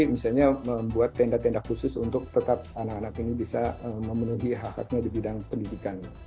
misalnya membuat tenda tenda khusus untuk tetap anak anak ini bisa memenuhi hak haknya di bidang pendidikan